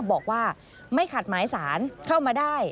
บอกว่าไม่ขัดหมายสารเข้ามาได้